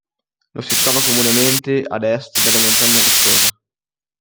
Lo si trova comunemente ad est delle Montagne Rocciose.